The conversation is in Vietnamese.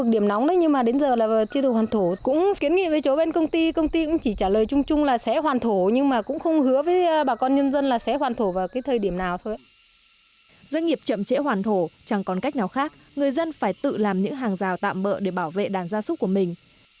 doanh nghiệp chậm trễ hoàn thổ chẳng còn cách nào khác người dân phải tự làm những hàng rào tạm bỡ để bảo vệ đàn gia súc của mình